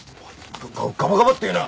ガガガバガバって言うな！